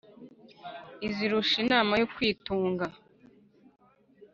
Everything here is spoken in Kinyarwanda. izirusha inama yo kwitunga